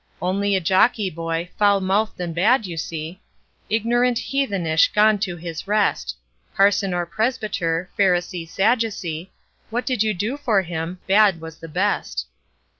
Only a jockey boy, foul mouthed and bad you see, Ignorant, heathenish, gone to his rest. Parson or Presbyter, Pharisee, Sadducee, What did you do for him? bad was the best.